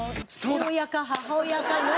父親か母親かの。